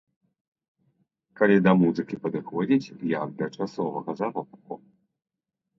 Калі да музыкі падыходзіць, як да часовага заробку.